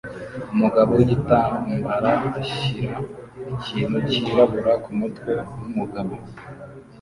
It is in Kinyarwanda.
Umugabo wigitambara ashyira ikintu cyirabura kumutwe wumugabo